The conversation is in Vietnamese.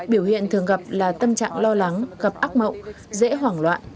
biểu hiện thường gặp là tâm trạng lo lắng gặp ác mộng dễ hoảng loạn